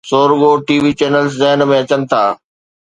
سو رڳو TV channel ذهن ۾ اچن ٿا.